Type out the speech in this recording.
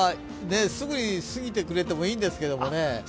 すぐに過ぎてくれてもいいんですけどね。